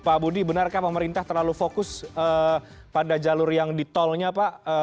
pak budi benar ke atau pemerintah terlalu fokus pada jalur yang di tolnya pak